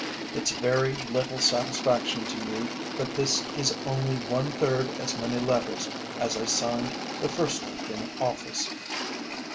It's very little satisfaction to me that this is only one third as many letters as I signed the first week in office.